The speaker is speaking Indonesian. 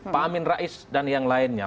pak amin rais dan yang lainnya